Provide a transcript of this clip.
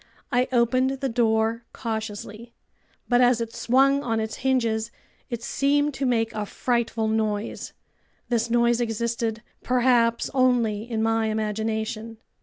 I opened the door cautiously, but as it swung on its hinges, it seemed to make a frightful noise. This noise existed, perhaps, only in my imagination!